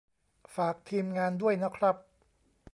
ฝาก ทีมงาน ด้วยนะครับ